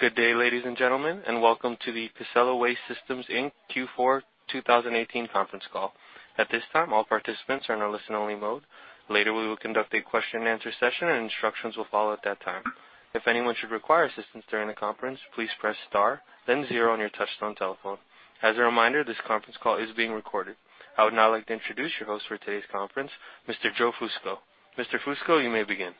Good day, ladies and gentlemen, and welcome to the Casella Waste Systems Inc. Q4 2018 conference call. At this time, all participants are in a listen-only mode. Later, we will conduct a question and answer session, and instructions will follow at that time. If anyone should require assistance during the conference, please press star then zero on your touch-tone telephone. As a reminder, this conference call is being recorded. I would now like to introduce your host for today's conference, Mr. Joe Fusco. Mr. Fusco, you may begin.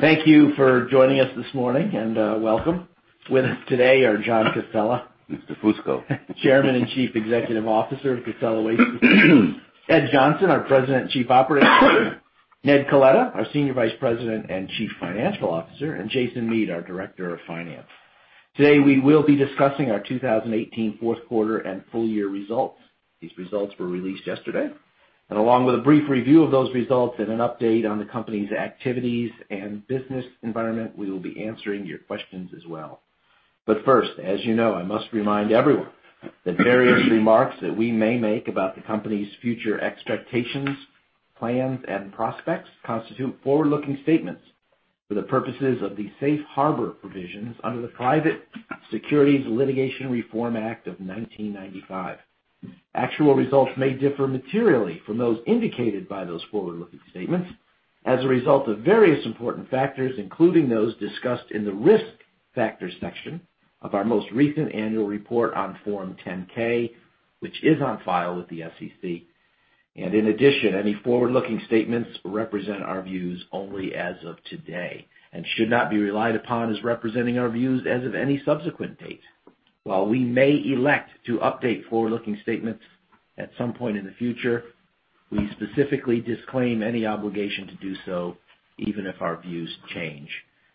Thank you for joining us this morning, and welcome. With us today are John Casella. Mr. Fusco. Chairman and Chief Executive Officer of Casella Waste Systems. Ed Johnson, our President and Chief Operating Officer. Ned Coletta, our Senior Vice President and Chief Financial Officer, and Jason Mead, our Director of Finance. Today, we will be discussing our 2018 fourth quarter and full year results. These results were released yesterday. Along with a brief review of those results and an update on the company's activities and business environment, we will be answering your questions as well. First, as you know, I must remind everyone that various remarks that we may make about the company's future expectations, plans, and prospects constitute forward-looking statements for the purposes of the safe harbor provisions under the Private Securities Litigation Reform Act of 1995. Actual results may differ materially from those indicated by those forward-looking statements as a result of various important factors, including those discussed in the risk factors section of our most recent annual report on Form 10-K, which is on file with the SEC. In addition, any forward-looking statements represent our views only as of today and should not be relied upon as representing our views as of any subsequent date. While we may elect to update forward-looking statements at some point in the future, we specifically disclaim any obligation to do so, even if our views change.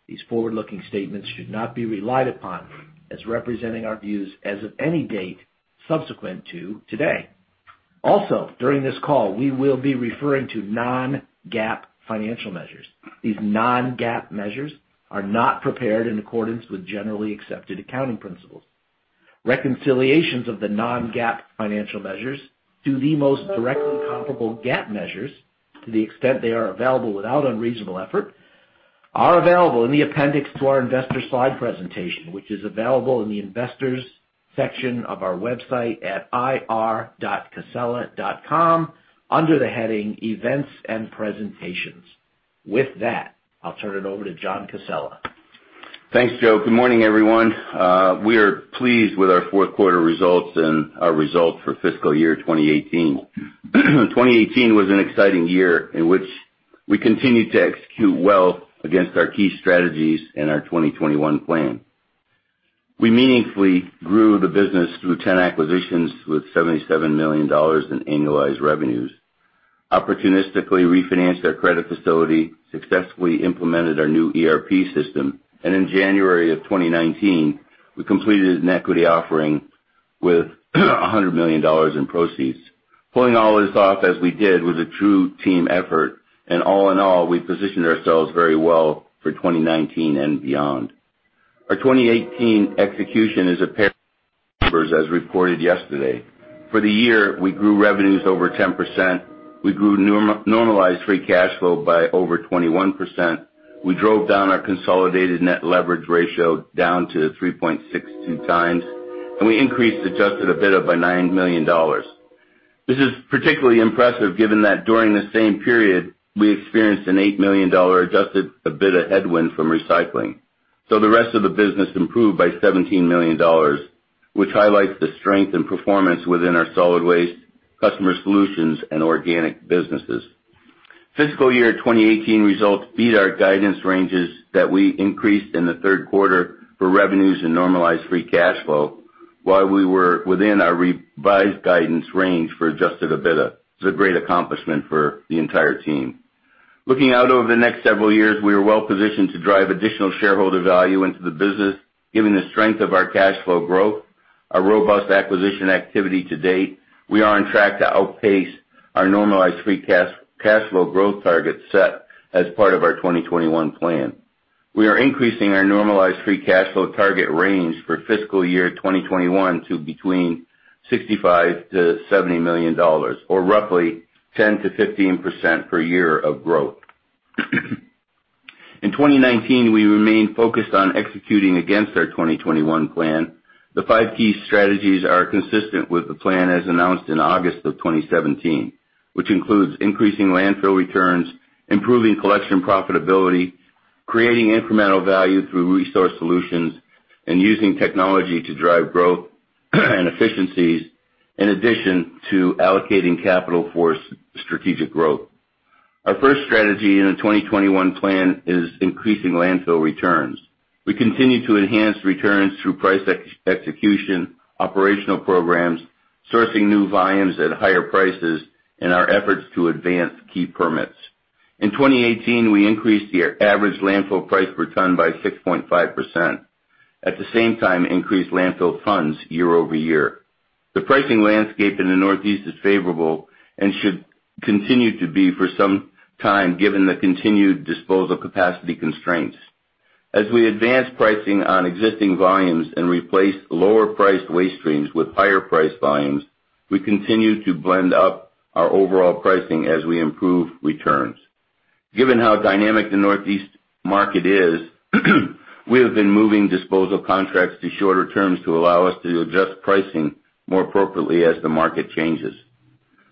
These forward-looking statements should not be relied upon as representing our views as of any date subsequent to today. Also, during this call, we will be referring to non-GAAP financial measures. These non-GAAP measures are not prepared in accordance with generally accepted accounting principles. Reconciliations of the non-GAAP financial measures to the most directly comparable GAAP measures, to the extent they are available without unreasonable effort, are available in the appendix to our investor slide presentation, which is available in the investors section of our website at ir.casella.com, under the heading Events and Presentations. With that, I'll turn it over to John Casella. Thanks, Joe. Good morning, everyone. We are pleased with our fourth-quarter results and our results for fiscal year 2018. 2018 was an exciting year in which we continued to execute well against our key strategies and our 2021 plan. We meaningfully grew the business through 10 acquisitions with $77 million in annualized revenues. Opportunistically refinanced our credit facility, successfully implemented our new ERP system, and in January of 2019, we completed an equity offering with $100 million in proceeds. Pulling all this off as we did was a true team effort. All in all, we positioned ourselves very well for 2019 and beyond. Our 2018 execution appears as reported yesterday. For the year, we grew revenues over 10%. We grew normalized free cash flow by over 21%. We drove down our consolidated net leverage ratio down to 3.62x. We increased adjusted EBITDA by $9 million. This is particularly impressive given that during the same period, we experienced an $8 million adjusted EBITDA headwind from recycling. The rest of the business improved by $17 million, which highlights the strength and performance within our solid waste, customer solutions, and organic businesses. Fiscal year 2018 results beat our guidance ranges that we increased in the third quarter for revenues and normalized free cash flow. While we were within our revised guidance range for adjusted EBITDA, it's a great accomplishment for the entire team. Looking out over the next several years, we are well-positioned to drive additional shareholder value into the business, given the strength of our cash flow growth, our robust acquisition activity to date. We are on track to outpace our normalized free cash flow growth target set as part of our 2021 plan. We are increasing our normalized free cash flow target range for fiscal year 2021 to between $65 million-$70 million, or roughly 10%-15% per year of growth. In 2019, we remain focused on executing against our 2021 plan. The five key strategies are consistent with the plan as announced in August of 2017, which includes increasing landfill returns, improving collection profitability, creating incremental value through resource solutions, and using technology to drive growth and efficiencies, in addition to allocating capital for strategic growth. Our first strategy in the 2021 plan is increasing landfill returns. We continue to enhance returns through price execution, operational programs, sourcing new volumes at higher prices, and our efforts to advance key permits. In 2018, we increased the average landfill price per ton by 6.5%. At the same time, increased landfill tons year-over-year. The pricing landscape in the Northeast is favorable and should continue to be for some time, given the continued disposal capacity constraints. As we advance pricing on existing volumes and replace lower-priced waste streams with higher-priced volumes, we continue to blend up our overall pricing as we improve returns. Given how dynamic the Northeast market is, we have been moving disposal contracts to shorter terms to allow us to adjust pricing more appropriately as the market changes.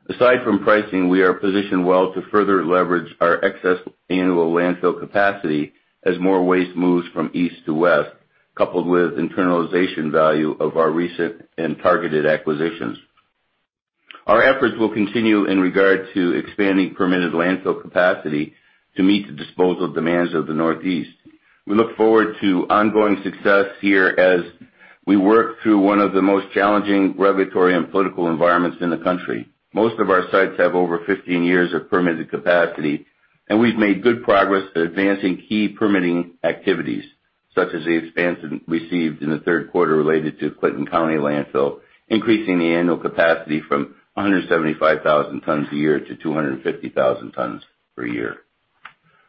Aside from pricing, we are positioned well to further leverage our excess annual landfill capacity as more waste moves from east to west, coupled with internalization value of our recent and targeted acquisitions. Our efforts will continue in regard to expanding permitted landfill capacity to meet the disposal demands of the Northeast. We look forward to ongoing success here as we work through one of the most challenging regulatory and political environments in the country. Most of our sites have over 15 years of permitted capacity, and we've made good progress at advancing key permitting activities, such as the expansion received in the third quarter related to Clinton County Landfill, increasing the annual capacity from 175,000 tons a year to 250,000 tons per year.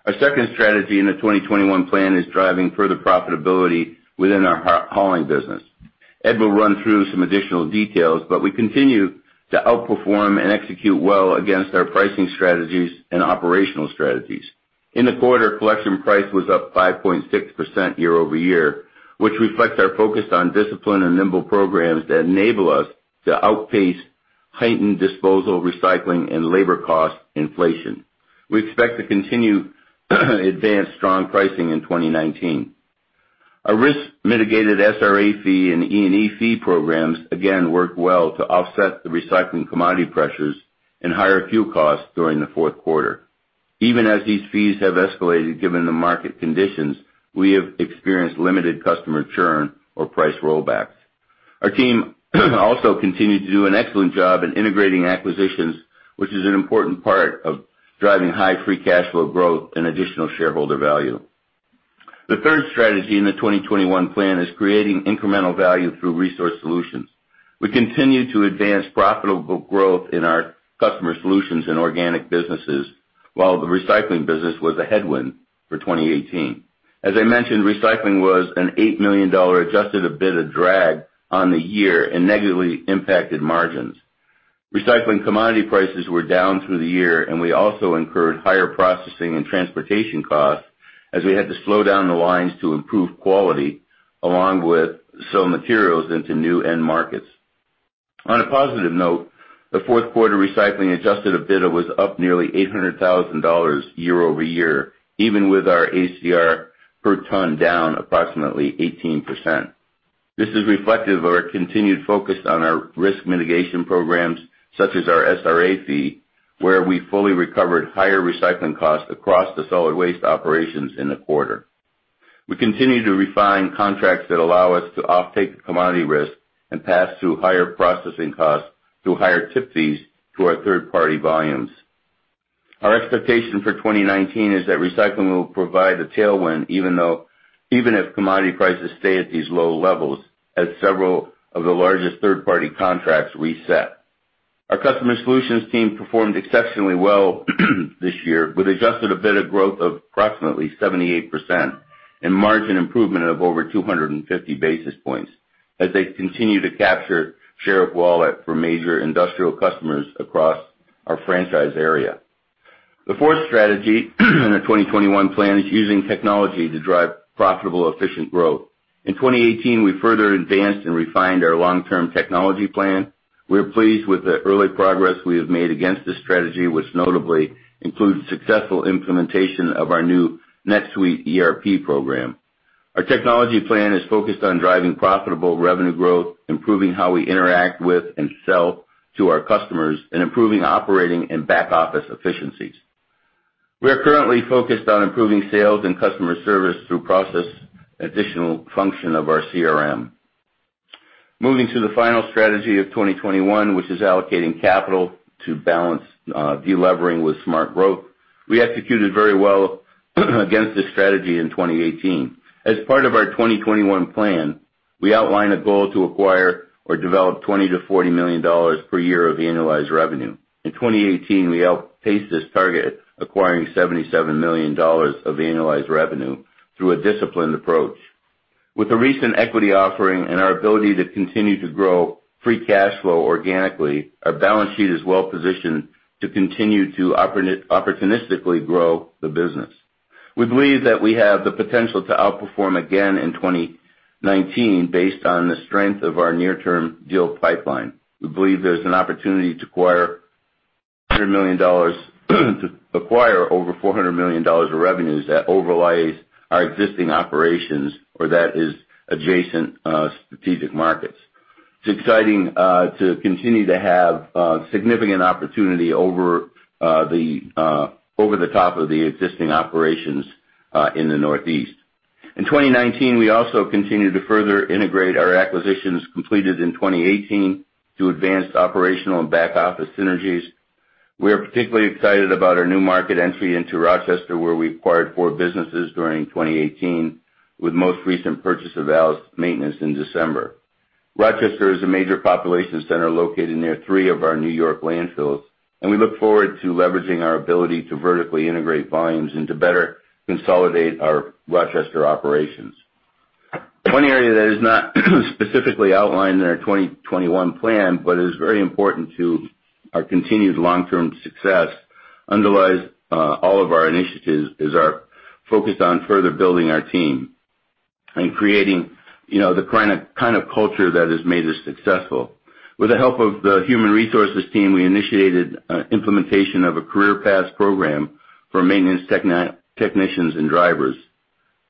Our second strategy in the 2021 plan is driving further profitability within our hauling business. Ed will run through some additional details, but we continue to outperform and execute well against our pricing strategies and operational strategies. In the quarter, collection price was up 5.6% year-over-year, which reflects our focus on discipline and nimble programs that enable us to outpace heightened disposal, recycling, and labor cost inflation. We expect to continue to advance strong pricing in 2019. Our risk mitigated SRA fee and E&E fee programs again worked well to offset the recycling commodity pressures and higher fuel costs during the fourth quarter. Even as these fees have escalated given the market conditions, we have experienced limited customer churn or price rollbacks. Our team also continued to do an excellent job in integrating acquisitions, which is an important part of driving high free cash flow growth and additional shareholder value. The third strategy in the 2021 plan is creating incremental value through resource solutions. We continue to advance profitable growth in our customer solutions and organic businesses while the recycling business was a headwind for 2018. As I mentioned, recycling was an $8 million adjusted EBITDA drag on the year and negatively impacted margins. Recycling commodity prices were down through the year. We also incurred higher processing and transportation costs as we had to slow down the lines to improve quality along with sell materials into new end markets. On a positive note, the fourth quarter recycling adjusted EBITDA was up nearly $800,000 year-over-year, even with our ACR per ton down approximately 18%. This is reflective of our continued focus on our risk mitigation programs, such as our SRA fee, where we fully recovered higher recycling costs across the solid waste operations in the quarter. We continue to refine contracts that allow us to offtake commodity risk and pass through higher processing costs through higher tip fees to our third-party volumes. Our expectation for 2019 is that recycling will provide a tailwind even if commodity prices stay at these low levels as several of the largest third-party contracts reset. Our customer solutions team performed exceptionally well this year with adjusted EBITDA growth of approximately 78% and margin improvement of over 250 basis points as they continue to capture share of wallet for major industrial customers across our franchise area. The fourth strategy in our 2021 plan is using technology to drive profitable, efficient growth. In 2018, we further advanced and refined our long-term technology plan. We are pleased with the early progress we have made against this strategy, which notably includes successful implementation of our new NetSuite ERP program. Our technology plan is focused on driving profitable revenue growth, improving how we interact with and sell to our customers, and improving operating and back-office efficiencies. We are currently focused on improving sales and customer service through process additional function of our CRM. Moving to the final strategy of 2021, which is allocating capital to balance de-levering with smart growth. We executed very well against this strategy in 2018. As part of our 2021 plan, we outlined a goal to acquire or develop $20 million-$40 million per year of annualized revenue. In 2018, we outpaced this target, acquiring $77 million of annualized revenue through a disciplined approach. With the recent equity offering and our ability to continue to grow free cash flow organically, our balance sheet is well positioned to continue to opportunistically grow the business. We believe that we have the potential to outperform again in 2019 based on the strength of our near-term deal pipeline. We believe there's an opportunity to acquire over $400 million of revenues that overlays our existing operations or that is adjacent strategic markets. It's exciting to continue to have significant opportunity over the top of the existing operations in the Northeast. In 2019, we also continued to further integrate our acquisitions completed in 2018 to advance operational and back-office synergies. We are particularly excited about our new market entry into Rochester where we acquired four businesses during 2018 with most recent purchase of Al's Maintenance in December. Rochester is a major population center located near three of our New York landfills. We look forward to leveraging our ability to vertically integrate volumes and to better consolidate our Rochester operations. One area that is not specifically outlined in our 2021 plan, but is very important to our continued long-term success, underlies all of our initiatives, is our focus on further building our team and creating the kind of culture that has made us successful. With the help of the human resources team, we initiated implementation of a career path program for maintenance technicians and drivers.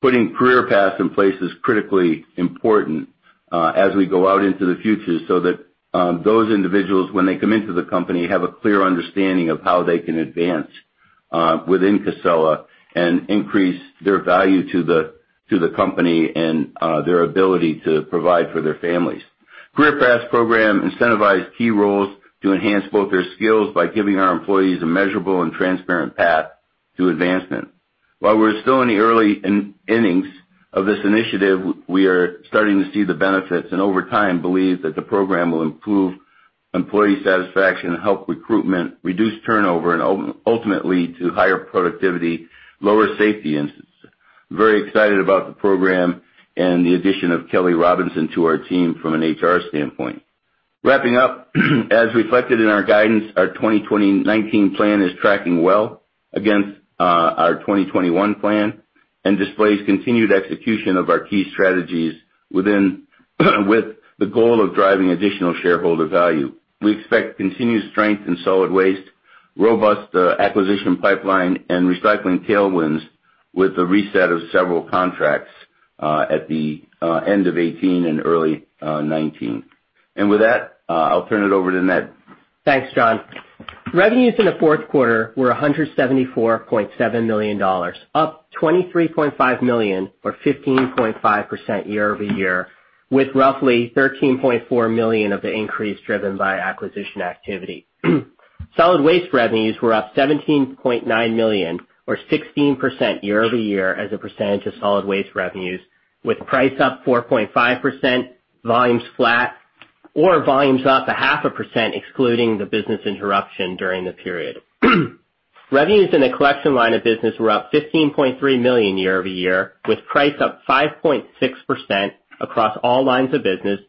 Putting career paths in place is critically important as we go out into the future, so that those individuals, when they come into the company, have a clear understanding of how they can advance within Casella and increase their value to the company and their ability to provide for their families. Career path program incentivize key roles to enhance both their skills by giving our employees a measurable and transparent path to advancement. While we're still in the early innings of this initiative, we are starting to see the benefits, and over time, believe that the program will improve employee satisfaction, help recruitment, reduce turnover, and ultimately, to higher productivity, lower safety incidents. Very excited about the program and the addition of Kelly Robinson to our team from an HR standpoint. Wrapping up, as reflected in our guidance, our 2019 plan is tracking well against our 2021 plan, and displays continued execution of our key strategies with the goal of driving additional shareholder value. We expect continued strength in solid waste, robust acquisition pipeline, and recycling tailwinds, with the reset of several contracts at the end of 2018 and early 2019. With that, I'll turn it over to Ned. Thanks, John. Revenues in the fourth quarter were $174.7 million, up $23.5 million or 15.5% year-over-year, with roughly $13.4 million of the increase driven by acquisition activity. Solid waste revenues were up $17.9 million or 16% year-over-year as a percentage of solid waste revenues, with price up 4.5%, volumes flat or volumes up a half a percent, excluding the business interruption during the period. Revenues in the collection line of business were up $15.3 million year-over-year, with price up 5.6% across all lines of business,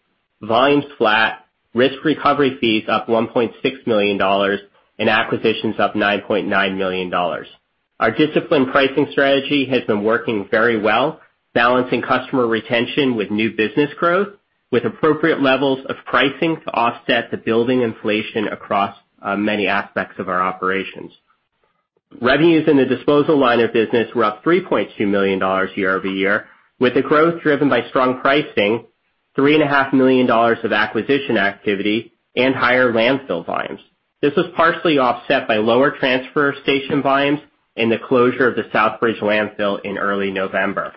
volumes flat, risk recovery fees up $1.6 million and acquisitions up $9.9 million. Our disciplined pricing strategy has been working very well, balancing customer retention with new business growth, with appropriate levels of pricing to offset the building inflation across many aspects of our operations. Revenues in the disposal line of business were up $3.2 million year-over-year, with the growth driven by strong pricing, $3.5 million of acquisition activity and higher landfill volumes. This was partially offset by lower transfer station volumes and the closure of the Southbridge Landfill in early November.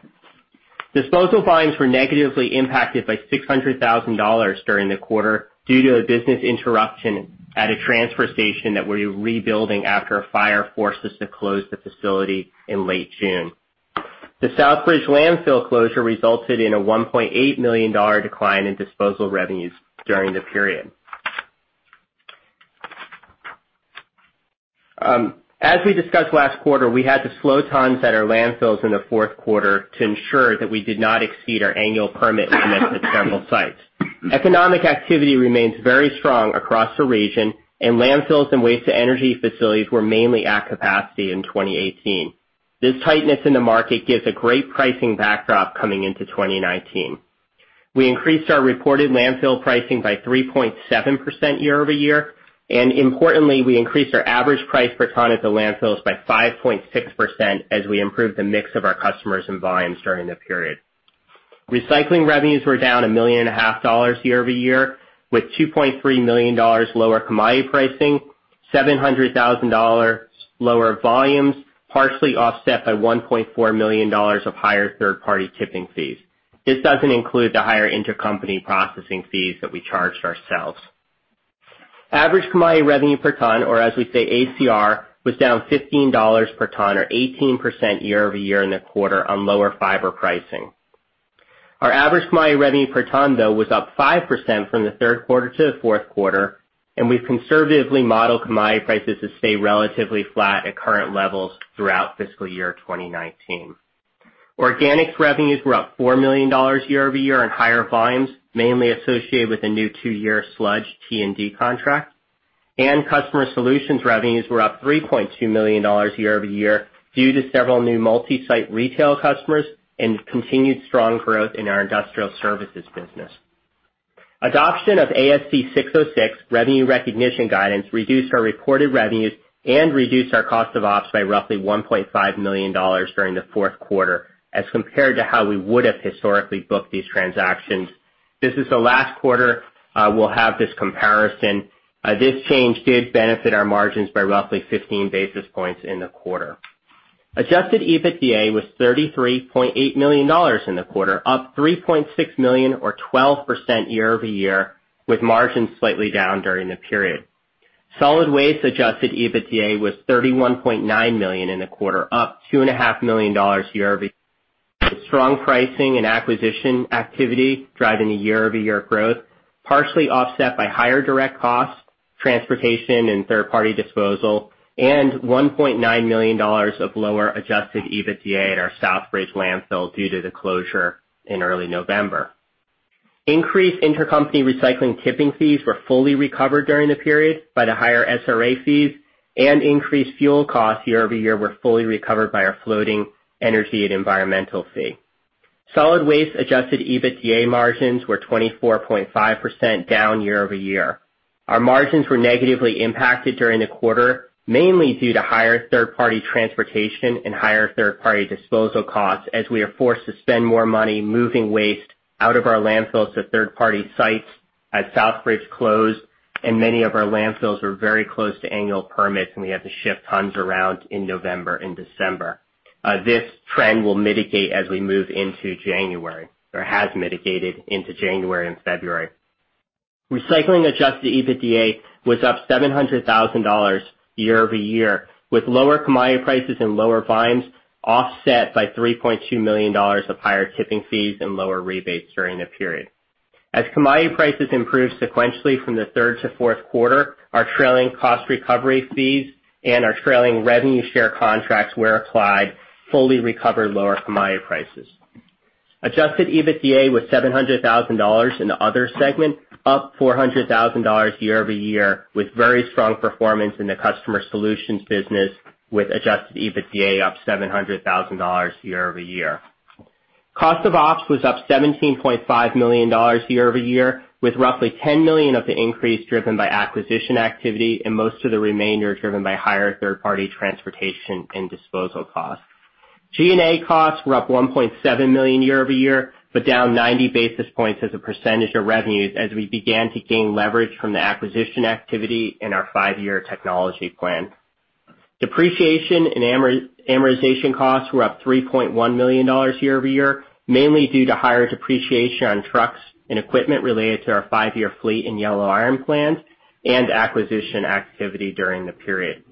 Disposal volumes were negatively impacted by $600,000 during the quarter due to a business interruption at a transfer station that we're rebuilding after a fire forced us to close the facility in late June. The Southbridge Landfill closure resulted in a $1.8 million decline in disposal revenues during the period. As we discussed last quarter, we had to slow tons at our landfills in the fourth quarter to ensure that we did not exceed our annual permit limits at several sites. Economic activity remains very strong across the region, and landfills and waste to energy facilities were mainly at capacity in 2018. This tightness in the market gives a great pricing backdrop coming into 2019. We increased our reported landfill pricing by 3.7% year-over-year, and importantly, we increased our average price per ton at the landfills by 5.6% as we improved the mix of our customers and volumes during the period. recycling revenues were down a million and a half dollars year-over-year, with $2.3 million lower commodity pricing, $700,000 lower volumes, partially offset by $1.4 million of higher third-party tipping fees. This doesn't include the higher intercompany processing fees that we charged ourselves. Average commodity revenue per ton, or as we say, ACR, was down $15 per ton, or 18% year-over-year in the quarter on lower fiber pricing. Our average commodity revenue per ton, though, was up 5% from the third quarter to the fourth quarter, and we've conservatively modeled commodity prices to stay relatively flat at current levels throughout fiscal year 2019. organics revenues were up $4 million year-over-year on higher volumes, mainly associated with the new two-year sludge T&D contract. Customer solutions revenues were up $3.2 million year-over-year due to several new multi-site retail customers and continued strong growth in our industrial services business. Adoption of ASC 606 revenue recognition guidance reduced our reported revenues and reduced our cost of ops by roughly $1.5 million during the fourth quarter as compared to how we would have historically booked these transactions. This is the last quarter we'll have this comparison. This change did benefit our margins by roughly 15 basis points in the quarter. Adjusted EBITDA was $33.8 million in the quarter, up $3.6 million or 12% year-over-year, with margins slightly down during the period. solid waste adjusted EBITDA was $31.9 million in the quarter, up $2.5 million year-over-year. With strong pricing and acquisition activity driving the year-over-year growth, partially offset by higher direct costs, Transportation and third-party disposal, and $1.9 million of lower adjusted EBITDA at our Southbridge Landfill due to the closure in early November. Increased intercompany recycling tipping fees were fully recovered during the period by the higher SRA fees and increased fuel costs year-over-year were fully recovered by our floating Energy & Environmental Fee. solid waste adjusted EBITDA margins were 24.5% down year-over-year. Our margins were negatively impacted during the quarter, mainly due to higher third-party transportation and higher third-party disposal costs as we are forced to spend more money moving waste out of our landfills to third-party sites as Southbridge closed and many of our landfills were very close to annual permits, and we had to shift tons around in November and December. This trend will mitigate as we move into January or has mitigated into January and February. recycling adjusted EBITDA was up $700,000 year-over-year, with lower commodity prices and lower volumes offset by $3.2 million of higher tipping fees and lower rebates during the period. As commodity prices improved sequentially from the third to fourth quarter, our trailing cost recovery fees and our trailing revenue share contracts were applied, fully recovered lower commodity prices. Adjusted EBITDA was $700,000 in the other segment, up $400,000 year-over-year, with very strong performance in the customer solutions business, with adjusted EBITDA up $700,000 year-over-year. Cost of ops was up $17.5 million year-over-year, with roughly $10 million of the increase driven by acquisition activity and most of the remainder driven by higher third-party transportation and disposal costs. G&A costs were up $1.7 million year-over-year, but down 90 basis points as a percentage of revenues as we began to gain leverage from the acquisition activity in our five-year technology plan. Depreciation and amortization costs were up $3.1 million year-over-year, mainly due to higher depreciation on trucks and equipment related to our five-year fleet and yellow iron plans and acquisition activity during the period.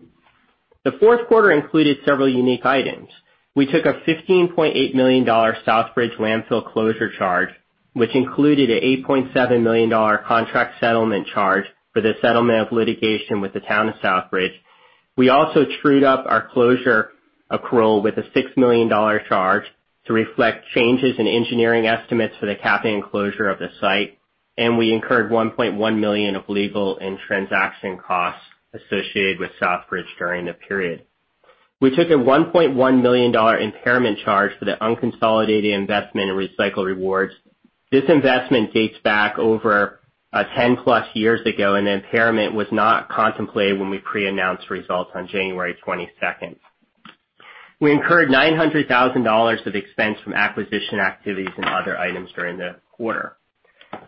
The fourth quarter included several unique items. We took a $15.8 million Southbridge Landfill closure charge, which included an $8.7 million contract settlement charge for the settlement of litigation with the town of Southbridge. We also trued up our closure accrual with a $6 million charge to reflect changes in engineering estimates for the capping and closure of the site. We incurred $1.1 million of legal and transaction costs associated with Southbridge during the period. We took a $1.1 million impairment charge for the unconsolidated investment in Recycle Rewards. This investment dates back over 10+ years ago, and the impairment was not contemplated when we pre-announced results on January 22nd. We incurred $900,000 of expense from acquisition activities and other items during the quarter.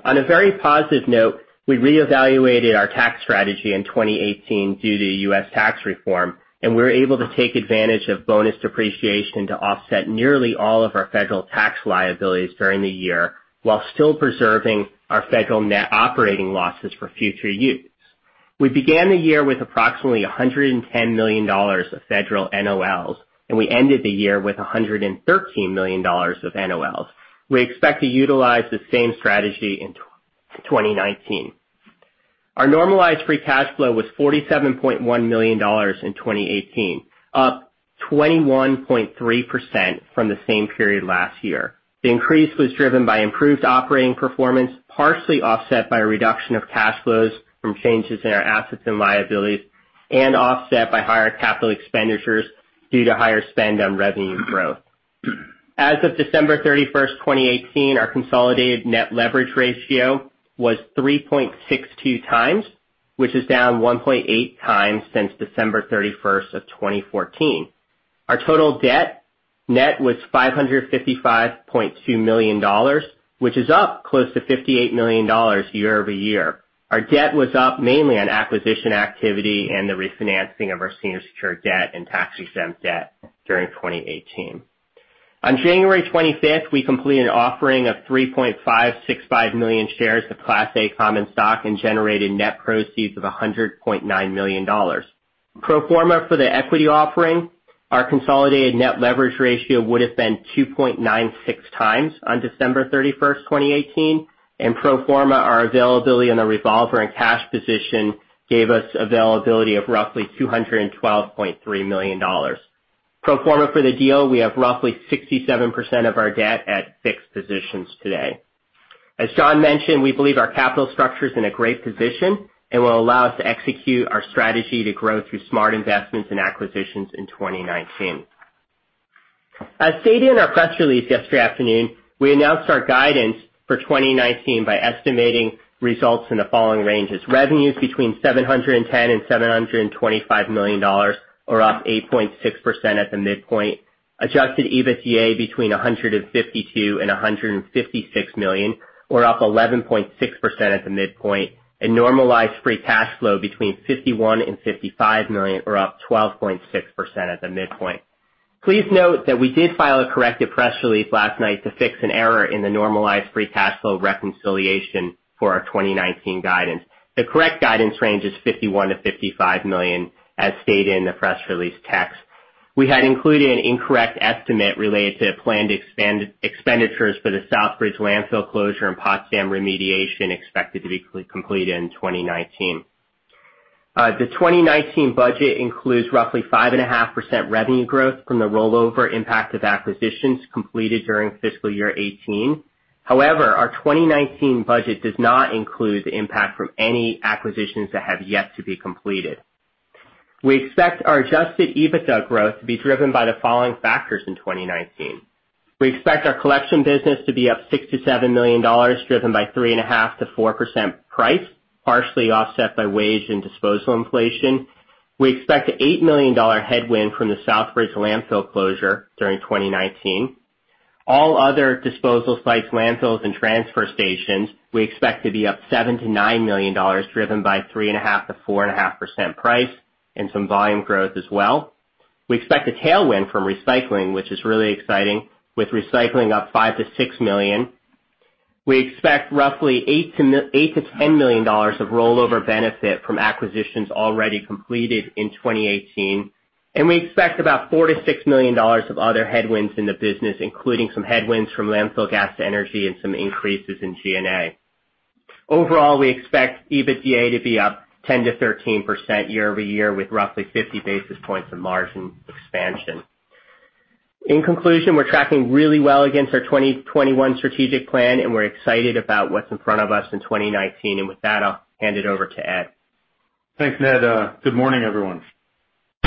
On a very positive note, we reevaluated our tax strategy in 2018 due to U.S. tax reform. We were able to take advantage of bonus depreciation to offset nearly all of our federal tax liabilities during the year, while still preserving our federal Net Operating Losses for future use. We began the year with approximately $110 million of federal NOLs. We ended the year with $113 million of NOLs. We expect to utilize the same strategy in 2019. Our normalized free cash flow was $47.1 million in 2018, up 21.3% from the same period last year. The increase was driven by improved operating performance, partially offset by a reduction of cash flows from changes in our assets and liabilities, offset by higher capital expenditures due to higher spend on revenue growth. As of December 31st, 2018, our consolidated net leverage ratio was 3.62x, which is down 1.8x since December 31st of 2014. Our total debt net was $555.2 million, which is up close to $58 million year-over-year. Our debt was up mainly on acquisition activity and the refinancing of our senior secured debt and tax-exempt debt during 2018. On January 25th, we completed an offering of 3.565 million shares of Class A common stock and generated net proceeds of $100.9 million. Pro forma for the equity offering, our consolidated net leverage ratio would have been 2.96x on December 31st, 2018. Pro forma our availability on the revolver and cash position gave us availability of roughly $212.3 million. Pro forma for the deal, we have roughly 67% of our debt at fixed positions today. As John mentioned, we believe our capital structure is in a great position and will allow us to execute our strategy to grow through smart investments and acquisitions in 2019. As stated in our press release yesterday afternoon, we announced our guidance for 2019 by estimating results in the following ranges: revenues between $710 million and $725 million, or up 8.6% at the midpoint, adjusted EBITDA between $152 million and $156 million, or up 11.6% at the midpoint, and normalized free cash flow between $51 million and $55 million, or up 12.6% at the midpoint. Please note that we did file a corrected press release last night to fix an error in the normalized free cash flow reconciliation for our 2019 guidance. The correct guidance range is $51 million-$55 million, as stated in the press release text. We had included an incorrect estimate related to planned expenditures for the Southbridge Landfill closure and Potsdam remediation expected to be completed in 2019. The 2019 budget includes roughly 5.5% revenue growth from the rollover impact of acquisitions completed during fiscal year 2018. However, our 2019 budget does not include the impact from any acquisitions that have yet to be completed. We expect our adjusted EBITDA growth to be driven by the following factors in 2019. We expect our collection business to be up $6 million-$7 million, driven by 3.5%-4% price, partially offset by wage and disposal inflation. We expect an $8 million headwind from the Southbridge Landfill closure during 2019. All other disposal sites, landfills, and transfer stations, we expect to be up $7 million-$9 million, driven by 3.5%-4.5% price and some volume growth as well. We expect a tailwind from recycling, which is really exciting, with recycling up $5 million-$6 million. We expect roughly $8 million-$10 million of rollover benefit from acquisitions already completed in 2018, and we expect about $4 million-$6 million of other headwinds in the business, including some headwinds from landfill gas to energy and some increases in G&A. Overall, we expect EBITDA to be up 10%-13% year-over-year, with roughly 50 basis points of margin expansion. In conclusion, we're tracking really well against our 2021 strategic plan, and we're excited about what's in front of us in 2019. With that, I'll hand it over to Ed. Thanks, Ned. Good morning, everyone.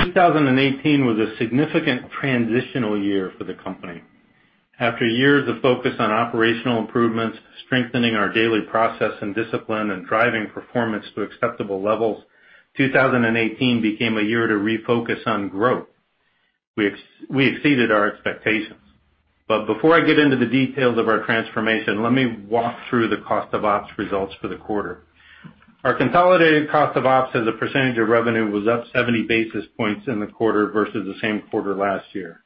2018 was a significant transitional year for the company. After years of focus on operational improvements, strengthening our daily process and discipline, and driving performance to acceptable levels, 2018 became a year to refocus on growth. We exceeded our expectations. Before I get into the details of our transformation, let me walk through the cost of ops results for the quarter. Our consolidated cost of ops as a percentage of revenue was up 70 basis points in the quarter versus the same quarter last year.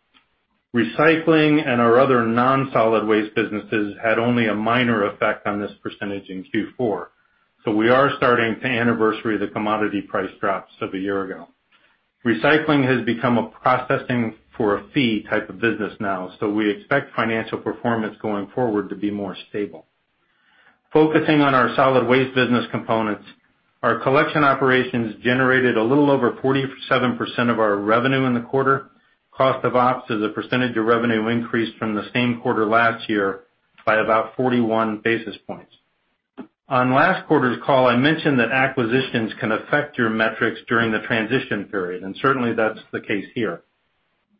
Recycling and our other non-solid waste businesses had only a minor effect on this percentage in Q4. So we are starting to anniversary the commodity price drops of a year ago. Recycling has become a processing for a fee type of business now, so we expect financial performance going forward to be more stable. Focusing on our solid waste business components, our collection operations generated a little over 47% of our revenue in the quarter. Cost of ops as a percentage of revenue increased from the same quarter last year by about 41 basis points. On last quarter's call, I mentioned that acquisitions can affect your metrics during the transition period, and certainly that's the case here.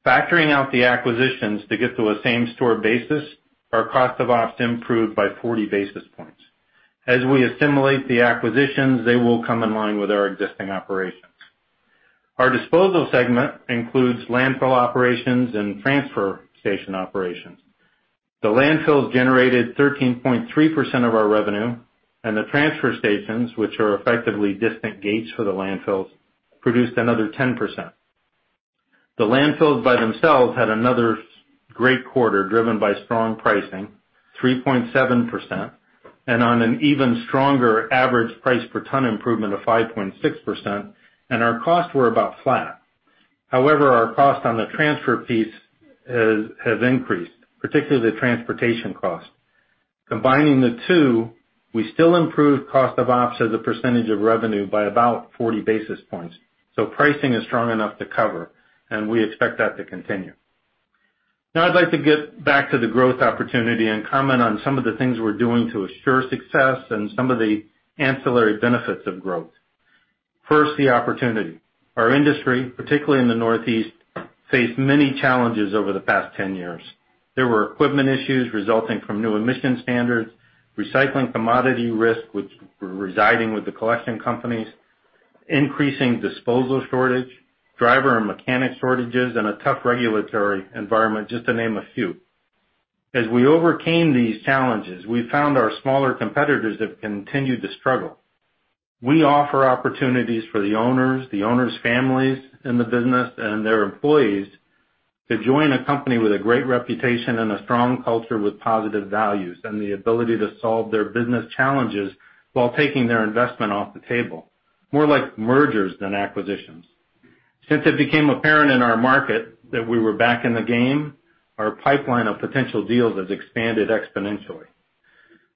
Factoring out the acquisitions to get to a same-store basis, our cost of ops improved by 40 basis points. As we assimilate the acquisitions, they will come in line with our existing operations. Our disposal segment includes landfill operations and transfer station operations. The landfills generated 13.3% of our revenue, and the transfer stations, which are effectively distant gates for the landfills, produced another 10%. The landfills by themselves had another great quarter, driven by strong pricing, 3.7%, and on an even stronger average price per ton improvement of 5.6%, and our costs were about flat. However, our cost on the transfer fees has increased, particularly the transportation cost. Combining the two, we still improved cost of ops as a percentage of revenue by about 40 basis points. Pricing is strong enough to cover, and we expect that to continue. I'd like to get back to the growth opportunity and comment on some of the things we're doing to assure success and some of the ancillary benefits of growth. First, the opportunity. Our industry, particularly in the Northeast, faced many challenges over the past 10 years. There were equipment issues resulting from new emission standards, recycling commodity risk, which were residing with the collection companies, increasing disposal shortage, driver and mechanic shortages, and a tough regulatory environment, just to name a few. As we overcame these challenges, we found our smaller competitors have continued to struggle. We offer opportunities for the owners, the owner's families in the business, and their employees to join a company with a great reputation and a strong culture with positive values and the ability to solve their business challenges while taking their investment off the table, more like mergers than acquisitions. Since it became apparent in our market that we were back in the game, our pipeline of potential deals has expanded exponentially.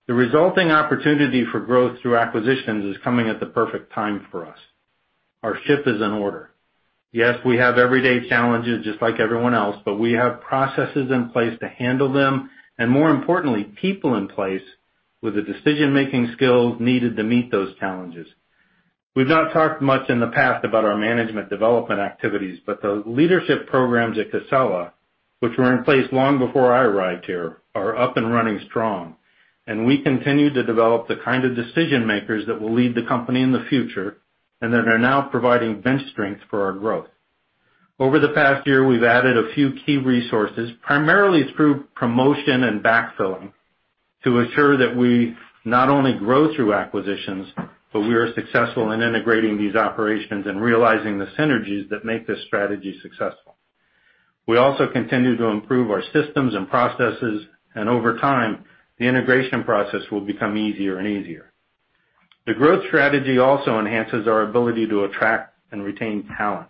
The resulting opportunity for growth through acquisitions is coming at the perfect time for us. Our ship is in order. We have everyday challenges just like everyone else, but we have processes in place to handle them, and more importantly, people in place with the decision-making skills needed to meet those challenges. We've not talked much in the past about our management development activities, but the leadership programs at Casella, which were in place long before I arrived here, are up and running strong. We continue to develop the kind of decision-makers that will lead the company in the future and that are now providing bench strength for our growth. Over the past year, we've added a few key resources, primarily through promotion and backfilling, to ensure that we not only grow through acquisitions, but we are successful in integrating these operations and realizing the synergies that make this strategy successful. We also continue to improve our systems and processes. Over time, the integration process will become easier and easier. The growth strategy also enhances our ability to attract and retain talent.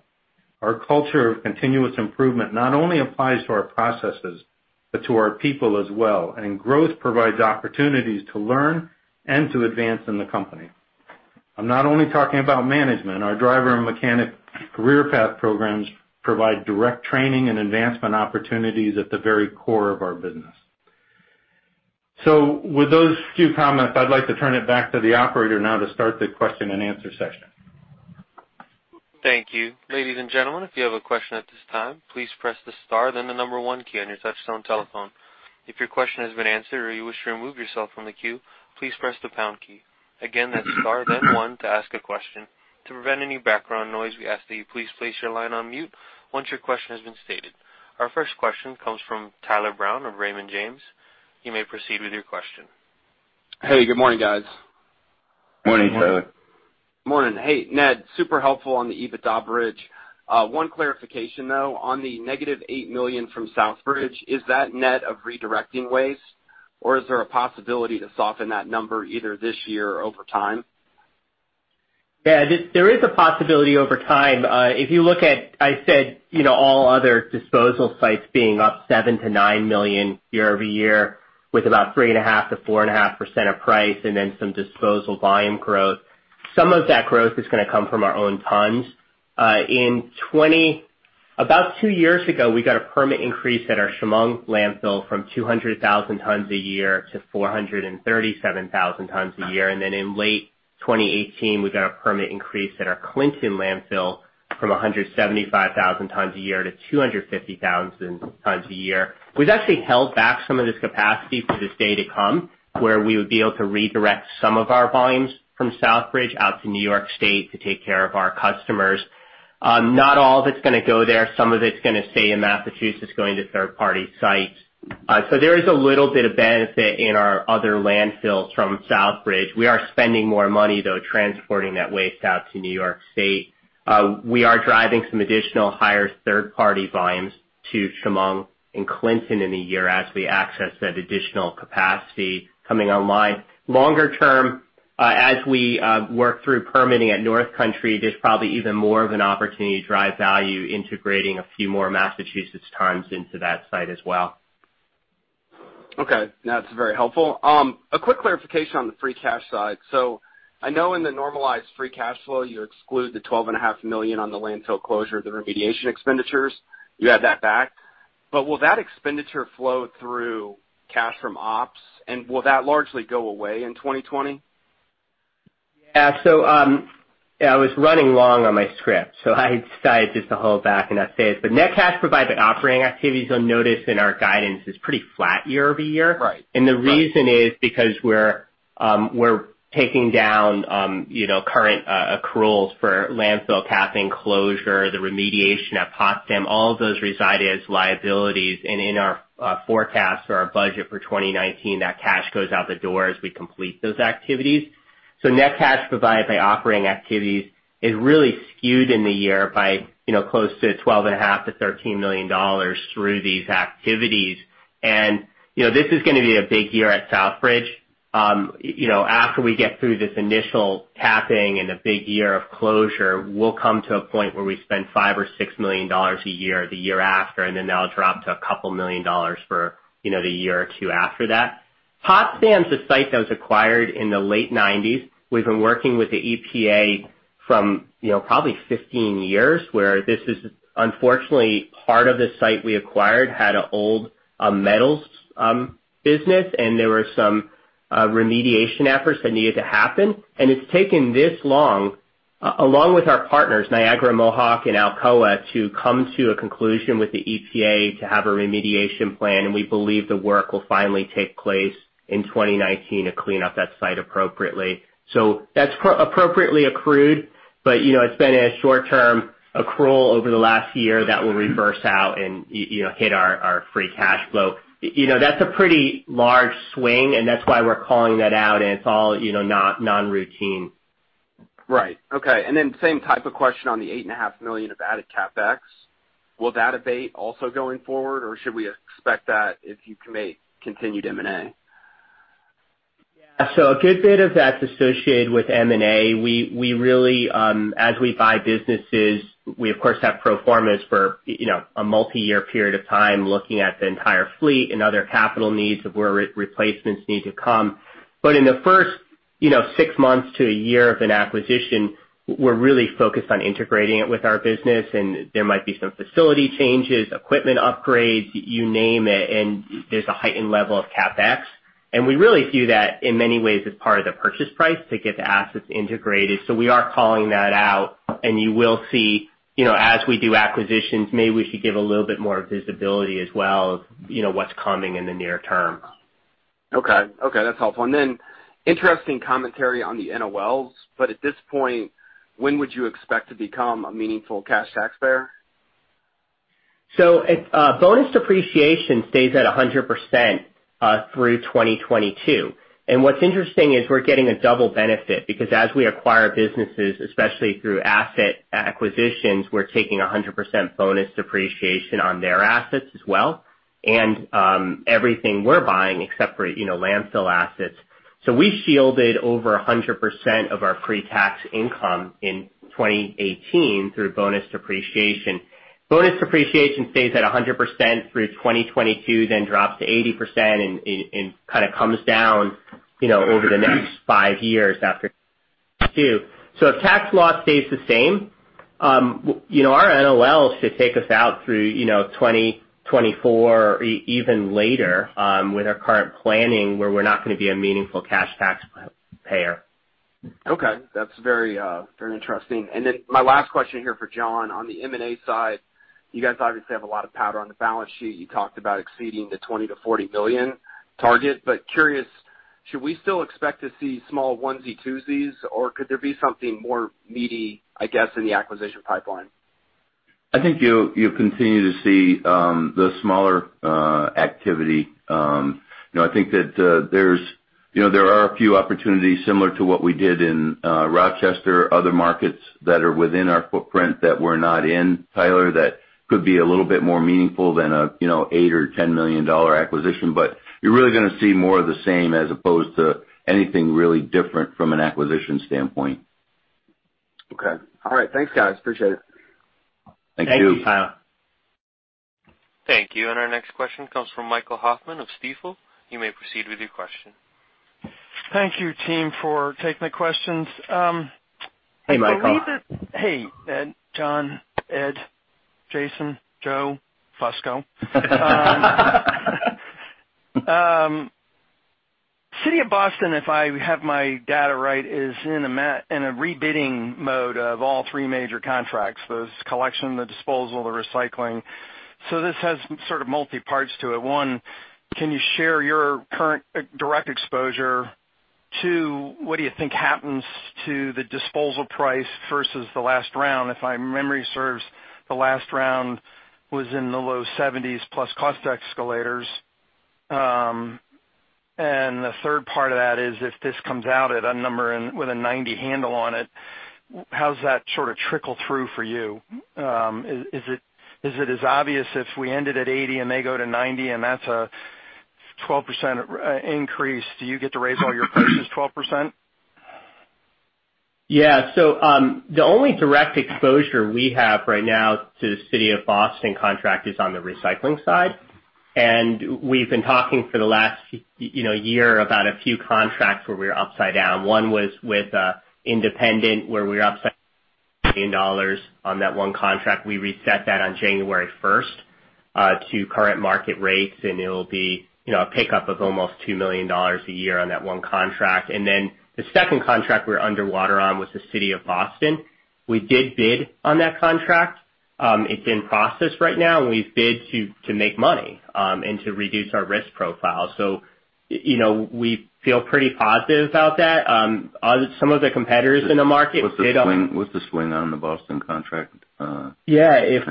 Our culture of continuous improvement not only applies to our processes, but to our people as well. Growth provides opportunities to learn and to advance in the company. I'm not only talking about management. Our driver and mechanic career path programs provide direct training and advancement opportunities at the very core of our business. With those few comments, I'd like to turn it back to the operator now to start the question and answer session. Thank you. Ladies and gentlemen, if you have a question at this time, please press the star then the number one key on your touchtone telephone. If your question has been answered or you wish to remove yourself from the queue, please press the pound key. Again, that's star then one to ask a question. To prevent any background noise, we ask that you please place your line on mute once your question has been stated. Our first question comes from Tyler Brown of Raymond James. You may proceed with your question. Hey, good morning, guys. Morning, Tyler. Morning. Hey, Ned, super helpful on the EBITDA bridge. One clarification, though, on the negative $8 million from Southbridge, is that net of redirecting waste, or is there a possibility to soften that number either this year or over time? There is a possibility over time. If you look at, I said, all other disposal sites being up $7 million-$9 million year-over-year with about 3.5%-4.5% of price and then some disposal volume growth. Some of that growth is going to come from our own tons. About two years ago, we got a permit increase at our Chemung County Landfill from 200,000 tons a year to 437,000 tons a year. In late 2018, we got a permit increase at our Clinton County Landfill from 175,000 tons a year to 250,000 tons a year. We've actually held back some of this capacity for this day to come, where we would be able to redirect some of our volumes from Southbridge out to New York State to take care of our customers. Not all of it is going to go there. Some of it is going to stay in Massachusetts, going to third-party sites. There is a little bit of benefit in our other landfills from Southbridge. We are spending more money, though, transporting that waste out to New York State. We are driving some additional higher third-party volumes to Chemung County Landfill and Clinton County Landfill in a year as we access that additional capacity coming online. Longer term, as we work through permitting at North Country, there's probably even more of an opportunity to drive value integrating a few more Massachusetts tons into that site as well. Okay. That's very helpful. A quick clarification on the free cash side. I know in the normalized free cash flow, you exclude the $12.5 million on the landfill closure, the remediation expenditures. You add that back. Will that expenditure flow through cash from ops, and will that largely go away in 2020? Yeah. I was running long on my script, I decided just to hold back and not say it. Net cash provided operating activities, you'll notice in our guidance, is pretty flat year-over-year. Right. The reason is because we're taking down current accruals for landfill capping closure, the remediation at Potsdam, all of those reside as liabilities. In our forecast or our budget for 2019, that cash goes out the door as we complete those activities. Net cash provided by operating activities is really skewed in the year by close to $12.5 million-$13 million through these activities. This is going to be a big year at Southbridge. After we get through this initial capping and a big year of closure, we'll come to a point where we spend $5 million or $6 million a year the year after, and then that'll drop to a couple million dollars for the year or two after that. Potsdam's a site that was acquired in the late 1990s. We've been working with the EPA from probably 15 years, where this is unfortunately, part of the site we acquired had an old metals business, and there were some remediation efforts that needed to happen. It's taken this long, along with our partners, Niagara Mohawk and Alcoa, to come to a conclusion with the EPA to have a remediation plan, and we believe the work will finally take place in 2019 to clean up that site appropriately. That's appropriately accrued, but it's been a short-term accrual over the last year that will reverse out and hit our free cash flow. That's a pretty large swing, and that's why we're calling that out, and it's all non-routine. Right. Okay. Then same type of question on the $8.5 million of added CapEx. Will that abate also going forward, or should we expect that if you make continued M&A? Yeah. A good bit of that's associated with M&A. As we buy businesses, we, of course, have pro formas for a multi-year period of time, looking at the entire fleet and other capital needs of where replacements need to come. In the first six months to a year of an acquisition, we're really focused on integrating it with our business, and there might be some facility changes, equipment upgrades, you name it, and there's a heightened level of CapEx. We really view that in many ways as part of the purchase price to get the assets integrated. We are calling that out, and you will see, as we do acquisitions, maybe we should give a little bit more visibility as well of what's coming in the near term. Okay. That's helpful. Interesting commentary on the NOLs, at this point, when would you expect to become a meaningful cash taxpayer? Bonus depreciation stays at 100% through 2022. What's interesting is we're getting a double benefit because as we acquire businesses, especially through asset acquisitions, we're taking 100% bonus depreciation on their assets as well. Everything we're buying except for landfill assets. We shielded over 100% of our pre-tax income in 2018 through bonus depreciation. Bonus depreciation stays at 100% through 2022, then drops to 80% and kind of comes down over the next five years after. If tax law stays the same, our NOLs should take us out through 2024 or even later, with our current planning, where we're not going to be a meaningful cash taxpayer. Okay. That's very interesting. My last question here for John, on the M&A side, you guys obviously have a lot of powder on the balance sheet. You talked about exceeding the $20 million-$40 million target. Curious, should we still expect to see small onesie-twosies, or could there be something more meaty, I guess, in the acquisition pipeline? I think you'll continue to see the smaller activity. I think that there are a few opportunities similar to what we did in Rochester, other markets that are within our footprint that we're not in, Tyler, that could be a little bit more meaningful than an $8 million or $10 million acquisition. You're really going to see more of the same as opposed to anything really different from an acquisition standpoint. Okay. All right. Thanks, guys. Appreciate it. Thank you. Thank you, Tyler. Thank you. Our next question comes from Michael Hoffman of Stifel. You may proceed with your question. Thank you, team, for taking the questions. Hey, Michael. Hey John, Ed, Jason, Joe Fusco. City of Boston, if I have my data right, is in a rebidding mode of all three major contracts, those collection, the disposal, the recycling. This has sort of multi parts to it. One, can you share your current direct exposure? Two, what do you think happens to the disposal price versus the last round? If my memory serves, the last round was in the low $70s plus cost escalators. The third part of that is, if this comes out at a number with a $90 handle on it, how does that sort of trickle through for you? Is it as obvious if we ended at $80 and they go to $90 and that's a 12% increase? Do you get to raise all your prices 12%? The only direct exposure we have right now to the City of Boston contract is on the recycling side. We've been talking for the last year about a few contracts where we were upside down. One was with Independent, where we were upside $1 million on that one contract. We reset that on January 1st to current market rates, and it'll be a pickup of almost $2 million a year on that one contract. The second contract we were underwater on was the City of Boston. We did bid on that contract. It's in process right now, and we bid to make money, and to reduce our risk profile. We feel pretty positive about that. Some of the competitors in the market- What's the swing on the Boston contract? Yeah. If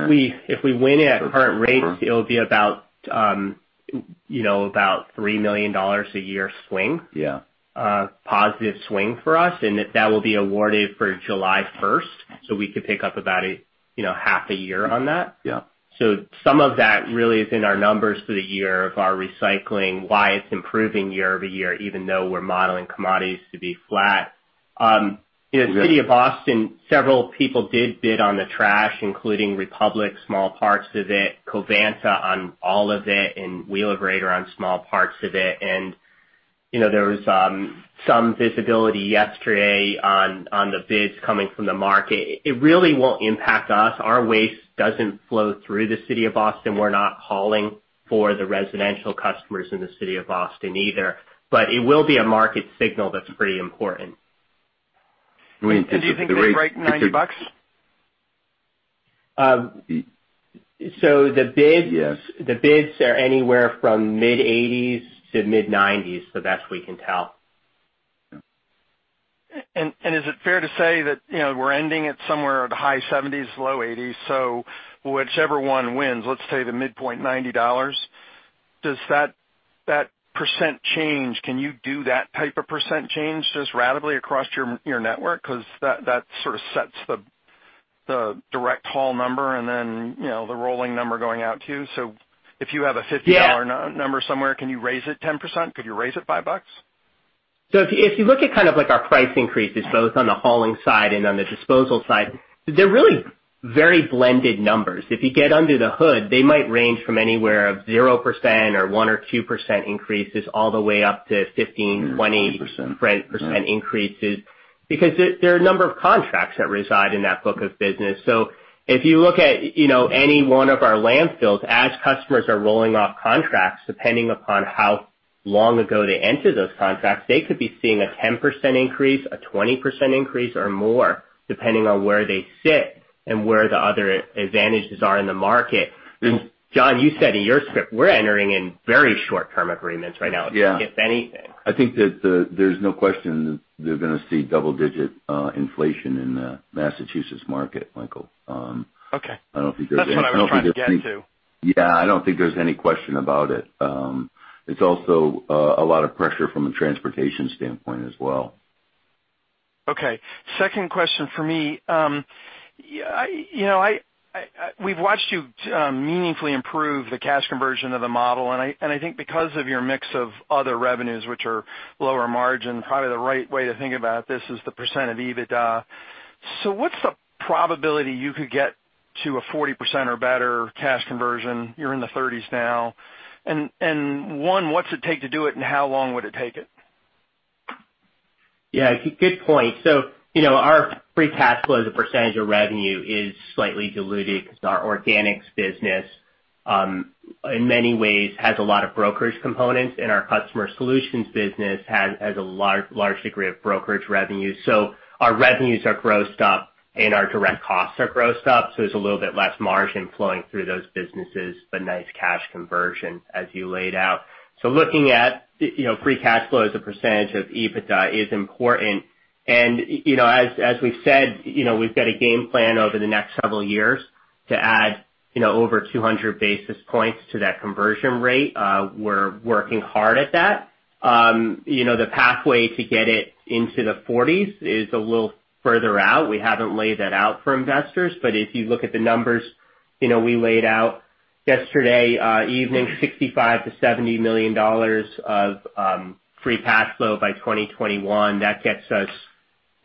we win at current rates, it'll be about $3 million a year swing. Yeah. Positive swing for us, and that will be awarded for July 1st. We could pick up about half a year on that. Yeah. Some of that really is in our numbers for the year of our recycling, why it's improving year-over-year, even though we're modeling commodities to be flat. City of Boston, several people did bid on the trash, including Republic, small parts of it, Covanta on all of it, and Wheelabrator on small parts of it. There was some visibility yesterday on the bids coming from the market. It really won't impact us. Our waste doesn't flow through the City of Boston. We're not hauling for the residential customers in the City of Boston either. It will be a market signal that's pretty important. Interesting. Do you think they'd write $90? The bids Yes. The bids are anywhere from mid-$80s to mid-$90s, the best we can tell. Yeah. Is it fair to say that we're ending it somewhere at high 70s, low 80s, whichever one wins, let's say the midpoint $90, does that percent change, can you do that type of percent change just ratably across your network? That sort of sets the direct haul number and then the rolling number going out too. If you have a $50 number somewhere, can you raise it 10%? Could you raise it $5? If you look at kind of our price increases, both on the hauling side and on the disposal side, they're really very blended numbers. If you get under the hood, they might range from anywhere of 0% or 1% or 2% increases all the way up to 15%, 20% increases. There are a number of contracts that reside in that book of business. If you look at any one of our landfills, as customers are rolling off contracts, depending upon how long ago they entered those contracts, they could be seeing a 10% increase, a 20% increase, or more, depending on where they sit and where the other advantages are in the market. John, you said in your script, we're entering in very short-term agreements right now, if anything. Yeah. I think that there's no question they're going to see double-digit inflation in the Massachusetts market, Michael. Okay. I don't think there's any- That's what I was trying to get to. Yeah, I don't think there's any question about it. It's also a lot of pressure from a transportation standpoint as well. Okay. Second question for me. We've watched you meaningfully improve the cash conversion of the model, and I think because of your mix of other revenues, which are lower margin, probably the right way to think about this is the percent of EBITDA. What's the probability you could get to a 40% or better cash conversion? You're in the 30s now. One, what's it take to do it, and how long would it take it? Yeah, good point. Our free cash flow as a percentage of revenue is slightly diluted because our organics business, in many ways, has a lot of brokerage components, and our customer solutions business has a large degree of brokerage revenue. Our revenues are grossed up and our direct costs are grossed up, so there's a little bit less margin flowing through those businesses, but nice cash conversion as you laid out. Looking at free cash flow as a percentage of EBITDA is important. As we've said, we've got a game plan over the next several years to add over 200 basis points to that conversion rate. We're working hard at that. The pathway to get it into the 40s is a little further out. We haven't laid that out for investors, but if you look at the numbers we laid out yesterday evening, $65 million to $70 million of free cash flow by 2021.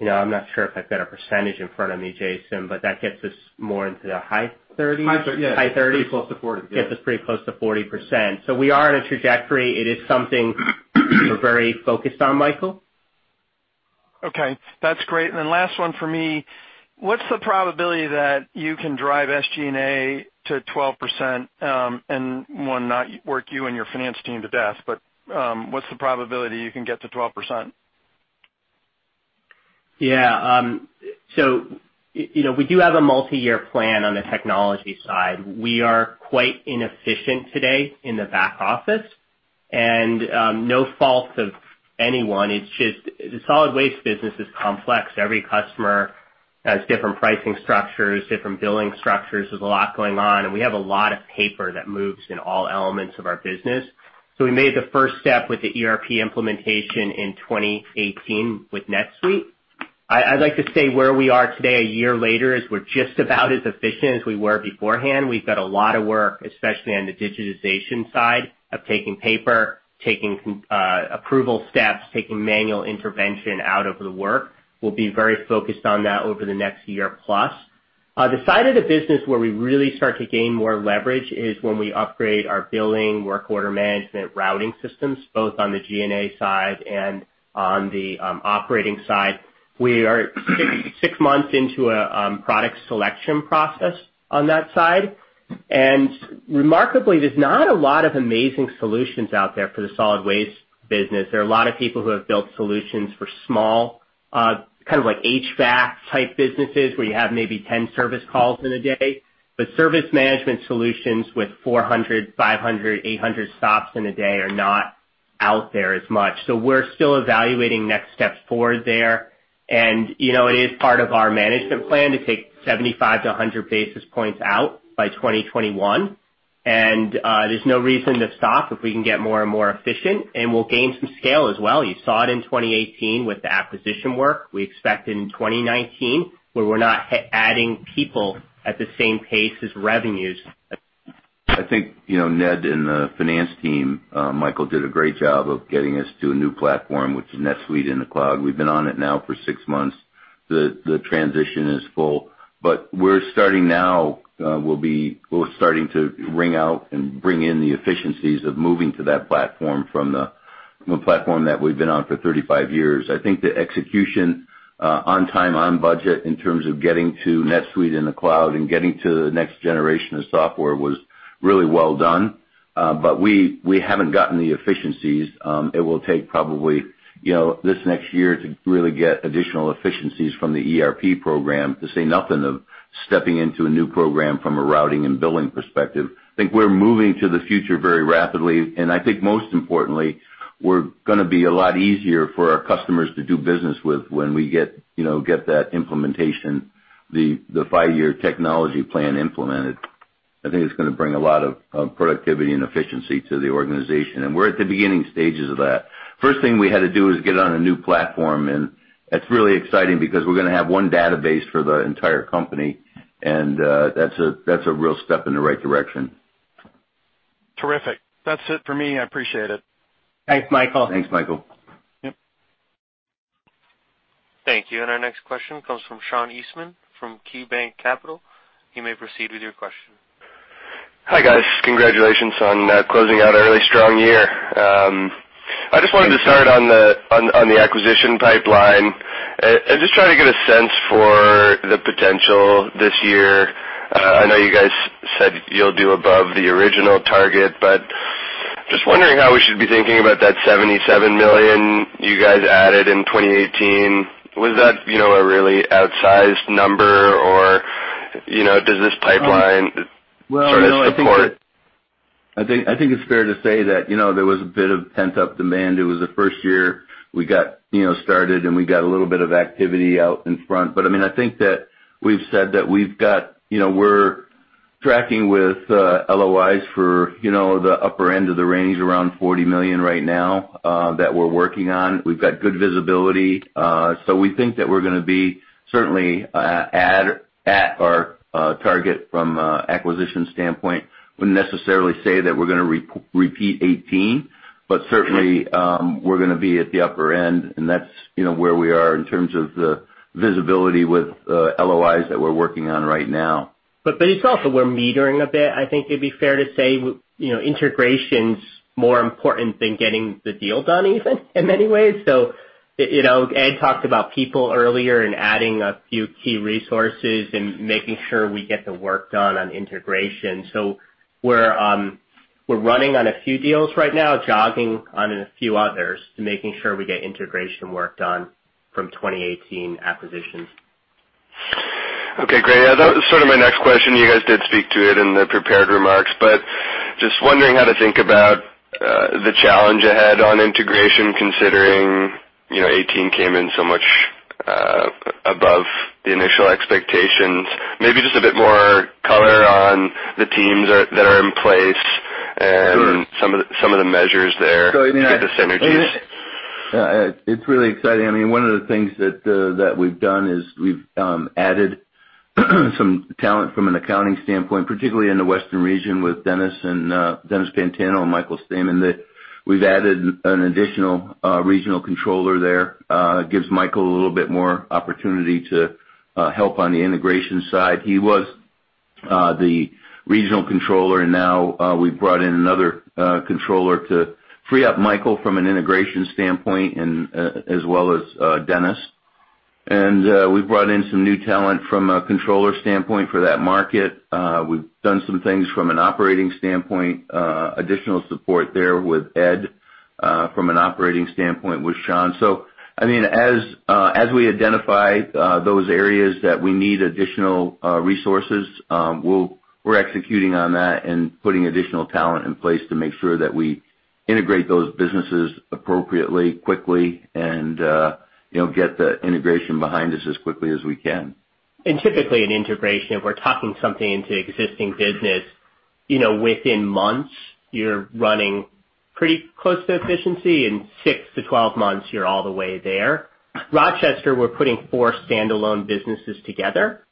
I'm not sure if I've got a percentage in front of me, Jason, but that gets us more into the high 30%? High 30%. High 30%. Pretty close to 40%. Gets us pretty close to 40%. We are in a trajectory. It is something we're very focused on, Michael. Okay, that's great. Last one for me, what's the probability that you can drive SG&A to 12% and, one, not work you and your finance team to death, but what's the probability you can get to 12%? Yeah. We do have a multi-year plan on the technology side. We are quite inefficient today in the back office. No fault of anyone, it's just the solid waste business is complex. Every customer has different pricing structures, different billing structures. There's a lot going on, and we have a lot of paper that moves in all elements of our business. We made the first step with the ERP implementation in 2018 with NetSuite. I'd like to say where we are today, a year later, is we're just about as efficient as we were beforehand. We've got a lot of work, especially on the digitization side, of taking paper, taking approval steps, taking manual intervention out of the work. We'll be very focused on that over the next year plus. The side of the business where we really start to gain more leverage is when we upgrade our billing, work order management, routing systems, both on the G&A side and on the operating side. Remarkably, there's not a lot of amazing solutions out there for the solid waste business. We are six months into a product selection process on that side. There are a lot of people who have built solutions for small HVAC-type businesses where you have maybe 10 service calls in a day. But service management solutions with 400, 500, 800 stops in a day are not out there as much. So we're still evaluating next steps forward there. It is part of our management plan to take 75-100 basis points out by 2021. There's no reason to stop if we can get more and more efficient, and we'll gain some scale as well. You saw it in 2018 with the acquisition work. We expect in 2019, where we're not adding people at the same pace as revenues. I think Ned and the finance team, Michael, did a great job of getting us to a new platform, which is NetSuite in the cloud. We've been on it now for six months. The transition is full, but we're starting now to wring out and bring in the efficiencies of moving to that platform from the platform that we've been on for 35 years. I think the execution on time, on budget in terms of getting to NetSuite in the cloud and getting to the next generation of software was really well done. But we haven't gotten the efficiencies. It will take probably this next year to really get additional efficiencies from the ERP program, to say nothing of stepping into a new program from a routing and billing perspective. I think we're moving to the future very rapidly, and I think most importantly, we're going to be a lot easier for our customers to do business with when we get that implementation, the five-year technology plan implemented. I think it's going to bring a lot of productivity and efficiency to the organization. And we're at the beginning stages of that. First thing we had to do is get on a new platform, and that's really exciting because we're going to have one database for the entire company, and that's a real step in the right direction. Terrific. That's it for me, I appreciate it. Thanks, Michael. Thanks, Michael. Yep. Thank you. Our next question comes from Sean Eastman from KeyBanc Capital. You may proceed with your question. Hi, guys. Congratulations on closing out a really strong year. I just wanted to start on the acquisition pipeline and just try to get a sense for the potential this year. I know you guys said you'll do above the original target, just wondering how we should be thinking about that $77 million you guys added in 2018. Was that a really outsized number or does this pipeline sort of support? I think it's fair to say that there was a bit of pent-up demand. It was the first year we got started, we got a little bit of activity out in front. I think that we've said that we've got tracking with LOIs for the upper end of the range, around $40 million right now, that we're working on. We've got good visibility. We think that we're going to be certainly at our target from acquisition standpoint. We wouldn't necessarily say that we're going to repeat 2018, but certainly, we're going to be at the upper end, and that's where we are in terms of the visibility with LOIs that we're working on right now. It's also we're metering a bit, I think it'd be fair to say. Integration's more important than getting the deal done even, in many ways. Ed talked about people earlier and adding a few key resources and making sure we get the work done on integration. We're running on a few deals right now, jogging on a few others, making sure we get integration work done from 2018 acquisitions. Okay, great. That was sort of my next question. You guys did speak to it in the prepared remarks, but just wondering how to think about the challenge ahead on integration considering 2018 came in so much above the initial expectations just a bit more color on the teams that are in place and some of the measures there, get the synergies. It's really exciting. One of the things that we've done is we've added some talent from an accounting standpoint, particularly in the Western region with Dennis Pantano and Michael Stehman. We've added an additional regional controller there. This gives Michael a little bit more opportunity to help on the integration side. He was the regional controller, and now we've brought in another controller to free up Michael from an integration standpoint as well as Dennis. We've brought in some new talent from a controller standpoint for that market. We've done some things from an operating standpoint, additional support there with Ed, from an operating standpoint with Sean. As we identify those areas that we need additional resources, we're executing on that and putting additional talent in place to make sure that we integrate those businesses appropriately, quickly, and get the integration behind us as quickly as we can. Typically, in integration, if we're talking something into existing business, within months, you're running pretty close to efficiency. In 6-12 months, you're all the way there. Rochester, we're putting four standalone businesses together.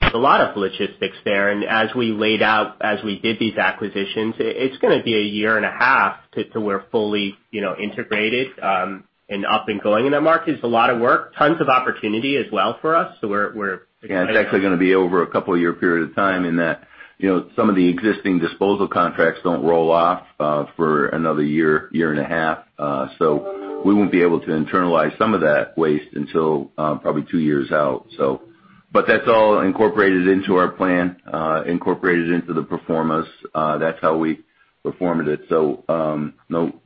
There's a lot of logistics there, and as we laid out, as we did these acquisitions, it's going to be a year and a half till we're fully integrated, and up and going in that market. It's a lot of work. Tons of opportunity as well for us. We're excited. Yeah, it's actually going to be over a couple-year period of time in that some of the existing disposal contracts don't roll off for another year and a half. We won't be able to internalize some of that waste until probably two years out. That's all incorporated into our plan, incorporated into the pro formas. That's how we pro formed it.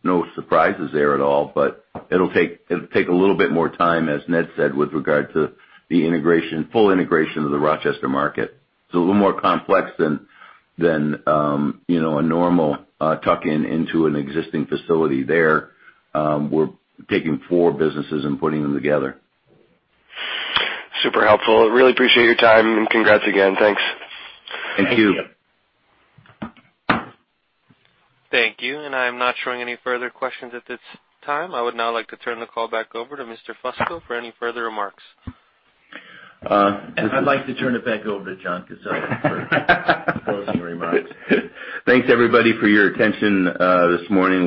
No surprises there at all, but it'll take a little bit more time, as Ned said, with regard to the full integration of the Rochester market. It's a little more complex than a normal tuck-in into an existing facility there. We're taking four businesses and putting them together. Super helpful. Really appreciate your time. Congrats again. Thanks. Thank you. Thank you. Thank you. I'm not showing any further questions at this time. I would now like to turn the call back over to Mr. Fusco for any further remarks. I'd like to turn it back over to John Casella for closing remarks. Thanks everybody for your attention this morning.